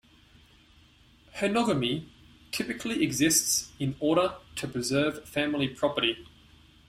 Henogamy typically exists in order to preserve family property.